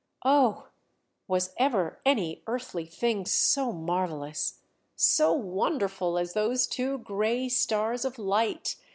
Oh! was ever any earthly thing so marvellous, so wonderful, as those two grey stars of light!